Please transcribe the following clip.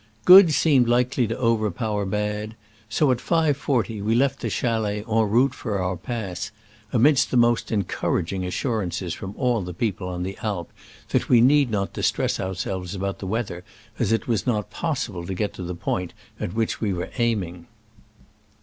Good seemed likely to over power bad ; so, at 5.40, we left the chalet en route for our pass [amidst the most encouraging assurances from all the people on the Alp that we need not dis tress ourselves about the weather, as it was not possible to get to the point at which we were aiming].